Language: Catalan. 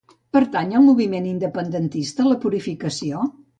Pertany al moviment independentista la Purificació?